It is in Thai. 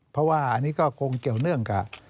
เพราะว่าอันนี้ก็คงเกี่ยวเนื่องกับ